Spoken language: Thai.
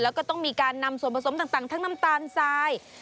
แล้วก็ต้องมีการนำส่วนผสมต่างทั้งน้ำตาลทราย